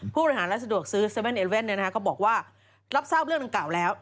ผู้บริหารและสะดวกซื้อ๗๑๑ก็บอกว่ารับทราบเรื่องดังกล่าวแล้ว